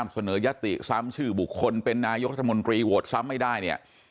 เสนอยติซ้ำชื่อบุคคลเป็นนายกรัฐมนตรีโหวตซ้ำไม่ได้เนี่ย